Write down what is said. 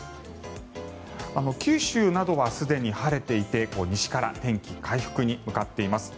九州などはすでに晴れていて西から天気回復に向かっています。